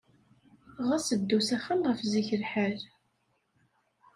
Ɣas ddu s axxam ɣef zik lḥal.